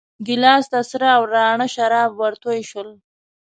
ګیلاس ته سره او راڼه شراب ورتوی شول.